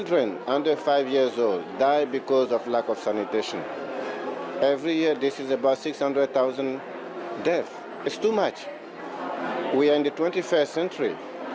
เราอยู่ในประวัติศาสตร์๒๑ปี